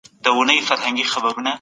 ايا ته هم غواړې چي يو پياوړی ليکوال سې؟